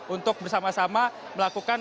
untuk bersama sama melakukan